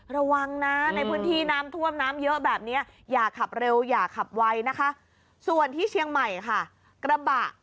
ระวังน่ะแบบนี้อย่าขับเร็วอย่าขับไวนะคะส่วนที่เชียงใหม่ค่ะ